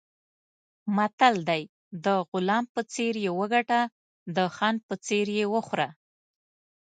متل دی: د غلام په څېر یې وګټه، د خان په څېر یې وخوره.